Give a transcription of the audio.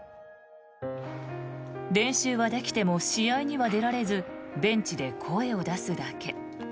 練習はできても試合には出られずベンチで声を出すだけ。